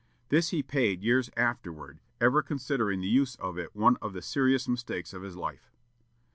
This he paid years afterward, ever considering the use of it one of the serious mistakes of his life.